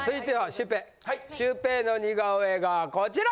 シュウペイの似顔絵がこちら！